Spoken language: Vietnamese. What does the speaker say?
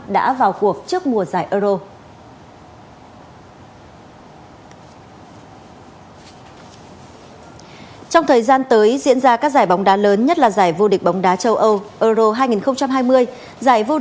đã vào cuộc trước mùa giải euro